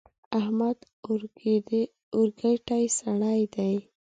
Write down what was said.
احمد اورګډی سړی دی.